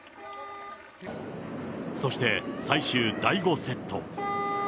そして、最終第５セット。